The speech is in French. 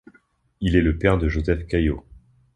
Il est le père de Joseph Caillaux.